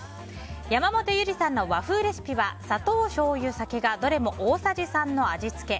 山本ゆりさんの和風レシピは砂糖、しょうゆ、酒がどれも大さじ３の味付け。